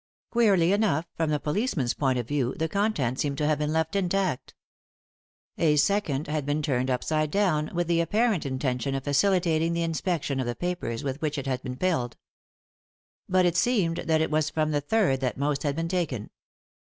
Queerly enough, from the policeman's point of view, the contents seemed to have been left intact. A second had been turned upside down, with the apparent intention of facilitating the inspection of the papers with which it had been filled. But it seemed that it was from the third that most had been taken.